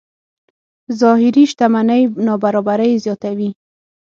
ظاهري شتمنۍ نابرابرۍ زیاتوي.